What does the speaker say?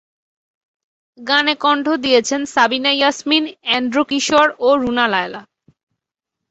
গানে কণ্ঠ দিয়েছেন সাবিনা ইয়াসমিন, এন্ড্রু কিশোর ও রুনা লায়লা।